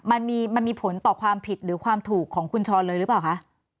มันมีผลต่อความผิดหรือความถูกของคุณชรเลยหรือเปล่าคะ